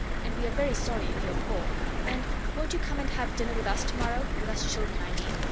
And we are very sorry if you're poor; and won't you come and have dinner with us to morrow with us children, I mean?